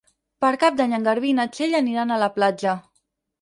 Per Cap d'Any en Garbí i na Txell aniran a la platja.